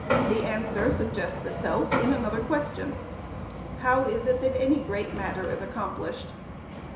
The answer suggests itself in another question. How is it that any great matter is accomplished?